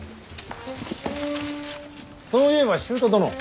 そういえば舅殿。